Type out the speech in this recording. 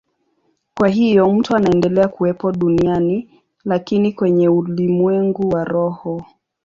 Kwa hiyo mtu anaendelea kuwepo duniani, lakini kwenye ulimwengu wa roho.